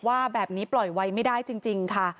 ว่าแบบนี้ปล่อยไว้ไม่ได้จริงค่ะ